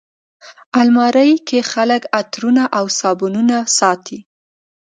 الماري کې خلک عطرونه او صابونونه ساتي